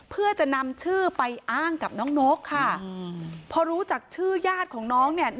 เพื่อจะนำชื่อไปอ้างกับน้องนกค่ะพอรู้จากชื่อญาติของน้องเนี่ย